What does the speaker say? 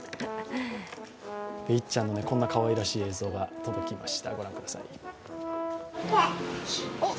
いっちゃんのこんなかわいらしい映像が届きました。